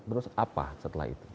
terus apa setelah itu